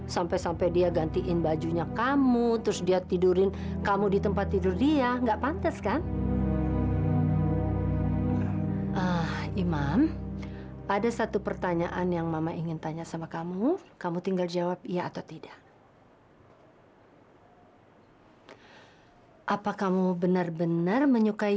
sampai jumpa di video selanjutnya